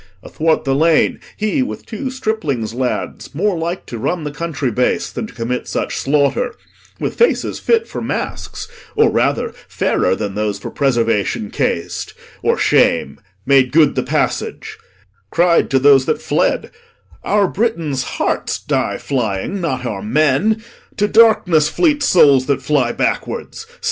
Athwart the lane He, with two striplings lads more like to run The country base than to commit such slaughter; With faces fit for masks, or rather fairer Than those for preservation cas'd or shame Made good the passage, cried to those that fled 'Our Britain's harts die flying, not our men. To darkness fleet souls that fly backwards!